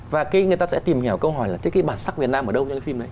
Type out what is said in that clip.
và người ta sẽ tìm hiểu câu hỏi là cái bản sắc việt nam ở đâu